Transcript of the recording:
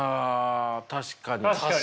確かにね。